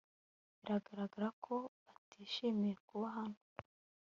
biragaragara ko batishimiye kuba hano